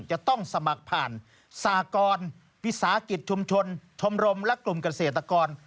จะต้องสมัครผ่านสากรวิสาหกิจชุมชนชมรมและกลุ่มเกษตรกร